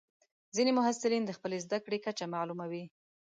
ځینې محصلین د خپلې زده کړې کچه معلوموي.